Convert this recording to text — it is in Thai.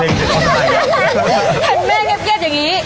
แม่เงียบอย่างนี้